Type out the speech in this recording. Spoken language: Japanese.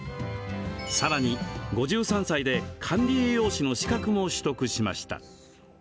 さらに、５３歳で管理栄養士の資格も取得しました。